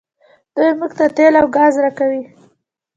دوی موږ ته تیل او ګاز راکوي.